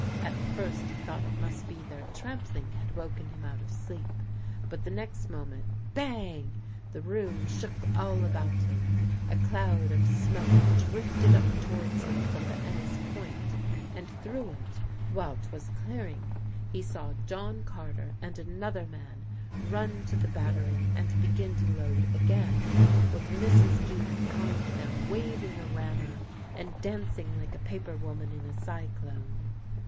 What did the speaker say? At first he thought it must be their trampling had woke him out of sleep, but the next moment bang! the room shook all about him, a cloud of smoke drifted up towards him from the Enys Point, and through it, while 'twas clearing, he saw John Carter and another man run to the battery and begin to load again, with Mrs. Geen behind them waving a rammer, and dancing like a paper woman in a cyclone.